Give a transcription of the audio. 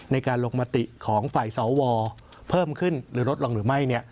ในการลงมติของฝ่ายสวเพิ่มขึ้นหรือลดลงหรือไม่